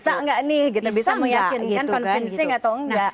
bisa gak nih bisa meyakinkan convincing atau enggak